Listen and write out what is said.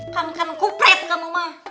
kangen kangen kupret kamu mah